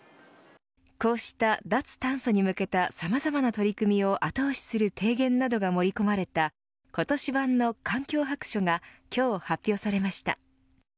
こうした脱炭素に向けたさまざまな取り組みを後押しする提言などが盛り込まれた今年版の環境白書が今日、発表されました。